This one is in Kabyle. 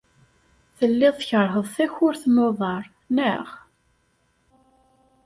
Telliḍ tkeṛheḍ takurt n uḍar, naɣ?